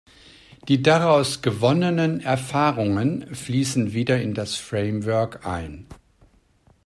Die daraus gewonnenen Erfahrungen fließen wieder in das Framework ein.